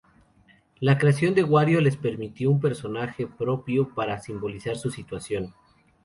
La creación de Wario les permitió un personaje propio para "simbolizar su situación".